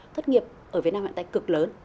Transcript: tất nghiệp ở việt nam hiện tại cực lớn